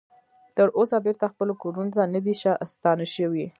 تر اوسه بیرته خپلو کورونو ته نه دې ستانه شوي